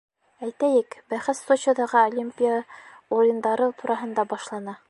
Әйтәйек, бәхәс Сочиҙағы Олимпия уйындары тураһында башлана.